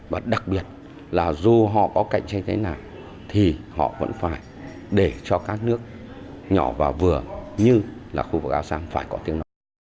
và đặc biệt là dù họ có cạnh tranh thế nào thì họ vẫn phải để cho các nước nhỏ và vừa như là khu vực asean phải có tiếng nói